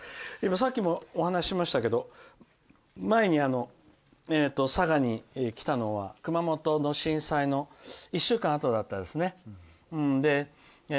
さっきもお話ししましたけど前に佐賀に来たのは熊本の震災の１週間あとだったんですね。